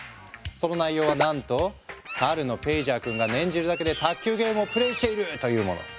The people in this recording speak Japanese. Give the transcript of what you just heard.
その内容はなんと猿のペイジャー君が念じるだけで卓球ゲームをプレイしている！というもの。